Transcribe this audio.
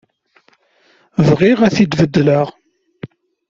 Bɣiɣ ad tt-id-beddleɣ.